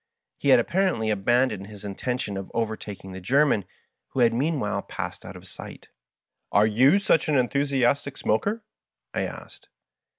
He had apparently abandoned his intention of overtaking the German, who had mean while passed out of sight. "Are yon such an enthusiastic smoker?" I asked.